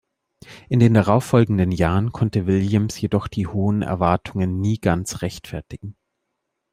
In den darauffolgenden Jahren konnte Williams jedoch die hohen Erwartungen nie ganz rechtfertigen.